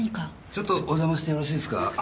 ちょっとお邪魔してよろしいですか？